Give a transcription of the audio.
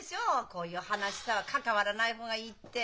こういう話さは関わらない方がいいって。